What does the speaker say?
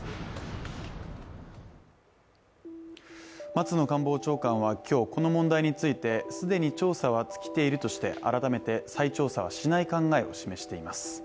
松野官房長官は今日、この問題について既に調査は尽きているとして改めて再調査はしない考えを示しています。